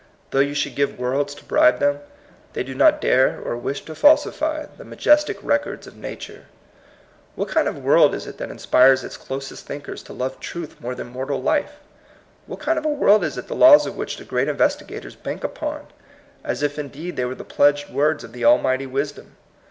Though you should give worlds to bribe them, they do not dare or wish to falsify the majestic records of nature. What kind of a world is it that inspires its closest thinkers to love truth more than mortal life? What kind of a world is it the laws of which the great investigators bank upon, as if in deed they were the pledged words of the Almighty Wisdom?